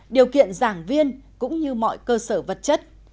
điều kiện giảng viên cũng như mọi cơ sở vật chất